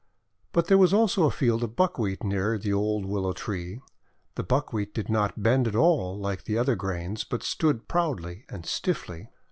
But there was also a field of Buckwheat near the old Willow Tree. The Buckwheat did not bend at all like the other grains, but stood proudly and stiffly.